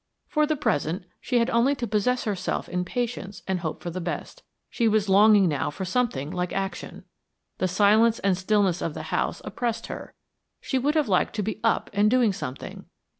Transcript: For the present, she had only to possess herself in patience and hope for the best. She was longing now for something like action. The silence and stillness of the house oppressed her; she would have liked to be up and doing something.